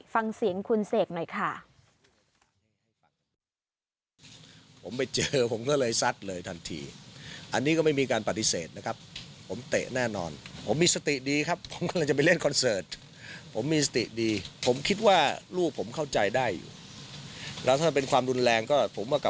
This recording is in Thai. ฟังเสียงคุณเสกหน่อยค่ะ